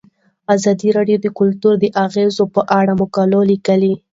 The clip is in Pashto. ازادي راډیو د کلتور د اغیزو په اړه مقالو لیکلي.